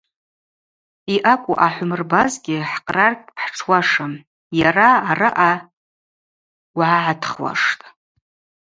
Йъакӏву ъахӏумырбазгьи хӏкърар гьпхӏтшуашым, йара араъа угӏагӏдхуаштӏ.